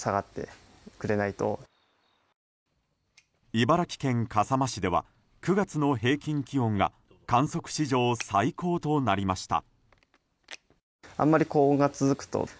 茨城県笠間市では９月の平均気温が観測史上最高となりました。